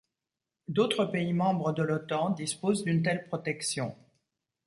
D'autres pays membres de l'Otan disposent d'une telle protection.